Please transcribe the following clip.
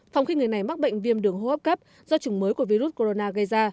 phòng khi người này mắc bệnh viêm đường hô hấp cấp do chủng mới của virus corona gây ra